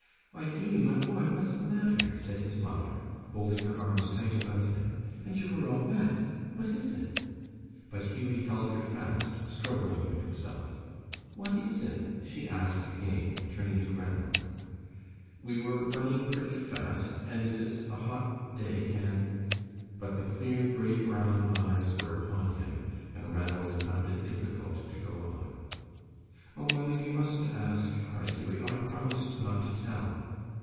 "Why, Hughie, my boy, what's the matter?" said his mother, holding her arms tight about him. "And you are all wet! What is it?" But Hughie held her fast, struggling with himself. "What is it?" she asked again, turning to Ranald. "We were running pretty fast and it is a hot day and " But the clear gray brown eyes were upon him, and Ranald found it difficult to go on. "Oh, mother, you mustn't ask," cried Hughie; "I promised not to tell."